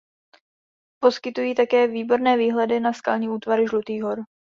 Poskytují také výborné výhledy na skalní útvary Žlutých hor.